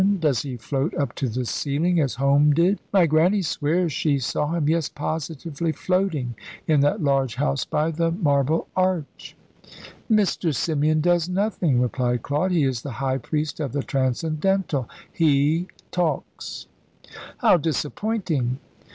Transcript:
Does he float up to the ceiling, as Home did? My Grannie swears she saw him, yes, positively floating, in that large house by the Marble Arch." "Mr. Symeon does nothing," replied Claude. "He is the high priest of the Transcendental. He talks." "How disappointing!"